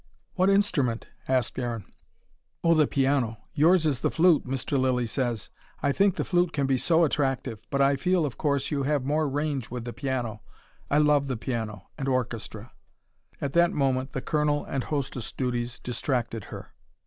"What instrument?" asked Aaron. "Oh, the piano. Yours is the flute, Mr. Lilly says. I think the flute can be so attractive. But I feel, of course you have more range with the piano. I love the piano and orchestra." At that moment, the colonel and hostess duties distracted her.